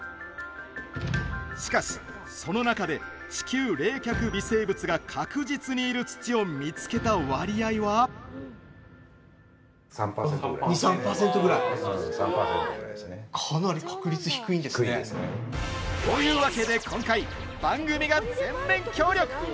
しかし、その中で地球冷却微生物が確実にいる土を見つけた割合はというわけで今回番組が全面協力。